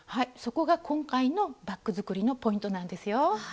そこが今回のバッグ作りのポイントなんですよ。